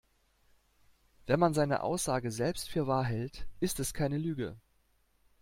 Wenn man seine Aussage selbst für wahr hält, ist es keine Lüge.